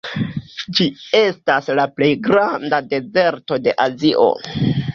Ĝi estas la plej granda dezerto de Azio.